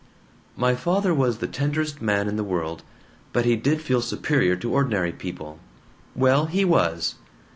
"My father was the tenderest man in the world, but he did feel superior to ordinary people. Well, he was!